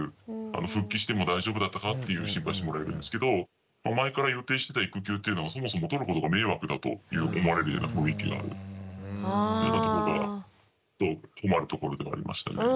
復帰しても「大丈夫だったか？」っていう心配してもらえるんですけど前から予定してた育休っていうのはそもそも取ることが迷惑だと思われるような雰囲気があるというようなとこが困るところではありましたね。